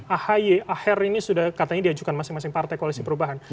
ahy aher ini sudah katanya diajukan masing masing partai koalisi perubahan